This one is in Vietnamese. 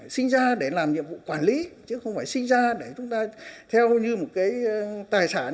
sinh ra để làm nhiệm vụ quản lý chứ không phải sinh ra để chúng ta theo như một cái tài sản